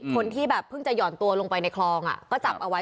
คนที่แบบเพิ่งจะห่อนตัวลงไปในคลองก็จับเอาไว้